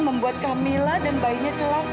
membuat kamilah dan bayinya celaka